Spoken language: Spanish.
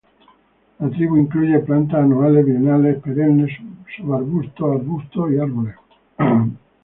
La tribu incluye plantas anuales, bienales, perennes, subarbustos, arbustos y árboles.